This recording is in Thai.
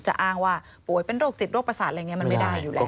อ้างว่าป่วยเป็นโรคจิตโรคประสาทอะไรอย่างนี้มันไม่ได้อยู่แล้ว